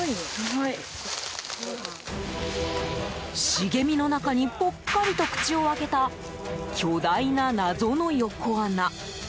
茂みの中にぽっかりと口を開けた巨大な謎の横穴。